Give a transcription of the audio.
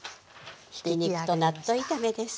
ひき肉と納豆炒めです。